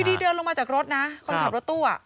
เมื่อเรามาจากรถนะคนขับรถตู้อะ